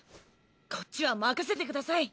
こっちは任せてください。